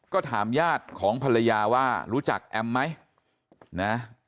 ก็ถามญาติของภรรยาว่ารู้จักแอมไหมนะ